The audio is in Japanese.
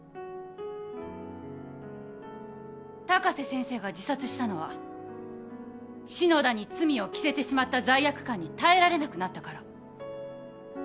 高瀬先生が自殺したのは篠田に罪を着せてしまった罪悪感に耐えられなくなったから。